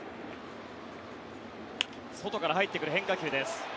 外から入ってくる変化球です。